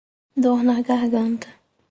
Dor na garganta